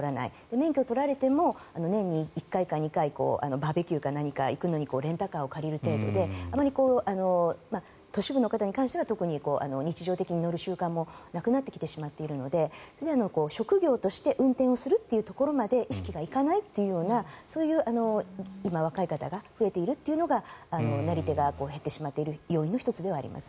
免許を取られても年に１回か２回バーベキューか何か行くのにレンタカーを借りる程度で都市部の方に関しては特に日常的に乗る習慣もなくなってきてしまっているのでそれで、職業として運転するというところまで意識が行かないというそういう今、若い方が増えているというのがなり手が減ってしまっている要因の１つではあります。